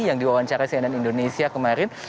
yang diwawancara cnn indonesia kemarin